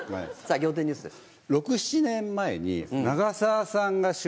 仰天ニュースです。